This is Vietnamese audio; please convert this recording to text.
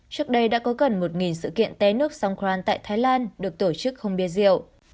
trước đây đã có gần một sự kiện té nước song khoan tại thái lan được tổ chức không bia rượu